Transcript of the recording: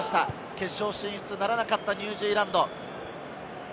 決勝進出とはならなかったニュージーランド。